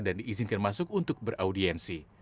dan diizinkan masuk untuk berpengalaman